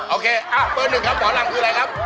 โอเคเบอร์หนึ่งครับหมอลำคืออะไรครับ